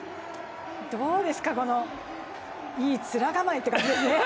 どうですか、いい面構えって感じですね。